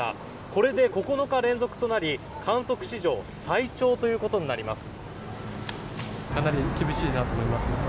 これで９日連続となり観測史上最長ということになります。